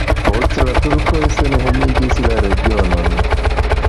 Pli poste la turkoj senhomigis la regionon.